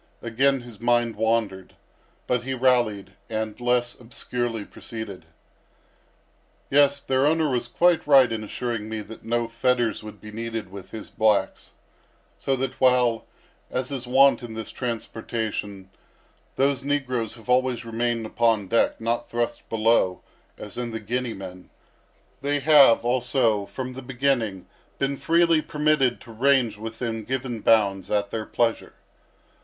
Again his mind wandered; but he rallied, and less obscurely proceeded. "Yes, their owner was quite right in assuring me that no fetters would be needed with his blacks; so that while, as is wont in this transportation, those negroes have always remained upon deck—not thrust below, as in the Guinea men—they have, also, from the beginning, been freely permitted to range within given bounds at their pleasure."